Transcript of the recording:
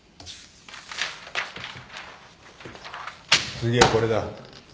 次はこれだ。